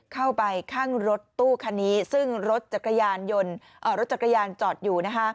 เข้าไปข้างรถตู้คันนี้ซึ่งรถจัดกระยานจอดอยู่